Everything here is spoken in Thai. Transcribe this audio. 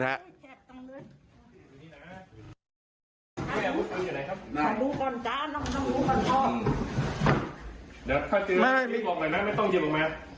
อย่างนี้นะ